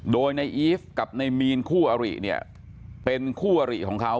โดยในอีฟกับในมีนคู่อริเนี่ยเป็นคู่อริของเขา